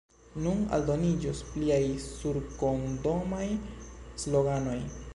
Nun aldoniĝos pliaj surkondomaj sloganoj.